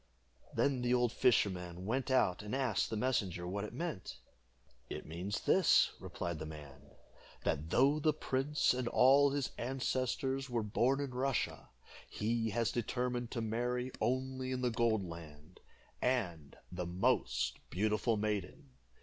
Then the old fisherman went out and asked the messenger what it meant. "It means this," replied the man, "that though the prince and all his ancestors were born in Russia, he has determined to marry only in the Gold Land, and the most beautiful maiden.